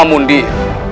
namun dia juga